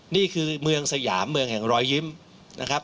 นี่คือเมืองสยามเมืองแห่งรอยยิ้มนะครับ